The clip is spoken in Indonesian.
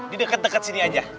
di dekat dekat sini aja